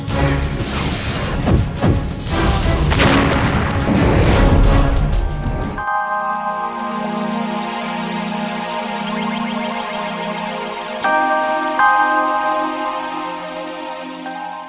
kita harus berjaya